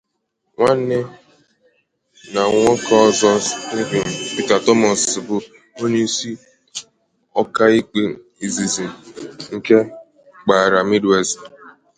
Nwanne ya nwoke ọzọ, Stephen Peter Thomas, bụ onye isi ọkaikpe izizi nke mpaghara Mid-West.